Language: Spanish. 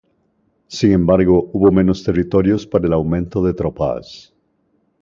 Sin embargo, hubo menos territorios para el aumento de tropas.